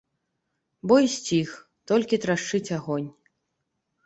Бой сціх, толькі трашчыць агонь.